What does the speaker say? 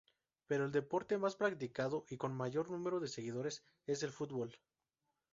Pero el deporte más practicado y con mayor número de seguidores es el fútbol.